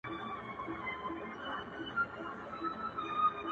د ژوند او مرګ ترمنځ حالت بند پاتې کيږي دلته,